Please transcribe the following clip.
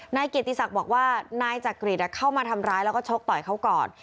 นายเกียรติศักดิ์บอกว่านายจักริตเข้ามาทำร้ายแล้วก็ชกต่อยเขาก่อน